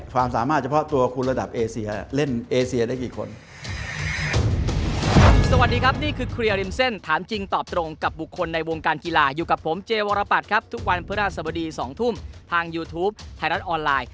ความสามารถเฉพาะตัวคุณระดับเอเซีย